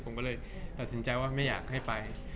ผมก็เลยตัดสินใจว่าไม่อยากให้ไป